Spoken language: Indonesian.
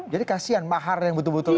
jadi kasian mahar yang betul betul